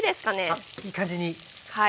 あっいい感じに。